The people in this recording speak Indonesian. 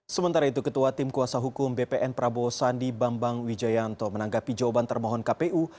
sementara itu ketua tim kuasa hukum bpn prabowo sandi bambang wijayanto menanggapi jawaban termohon kpu